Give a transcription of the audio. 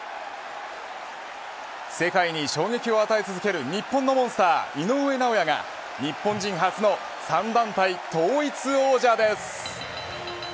世界に衝撃を与え続ける日本のモンスター井上尚弥が日本人初の３団体統一王者です。